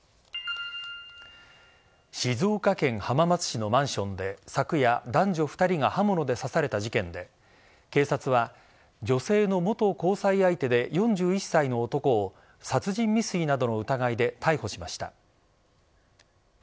静岡県浜松市のマンションで昨夜、男女２人が刃物で刺された事件で警察は女性の元交際相手で４１歳の男を殺人未遂などの疑いで逮捕しました。